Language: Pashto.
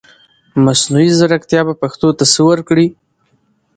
مصنوعي ځرکتيا به پښتو ته سه ورکړٸ